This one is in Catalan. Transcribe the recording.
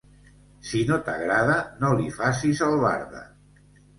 Si no t'agrada, no li facis albarda.